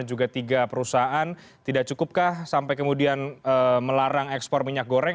dan juga tiga perusahaan tidak cukupkah sampai kemudian melarang ekspor minyak goreng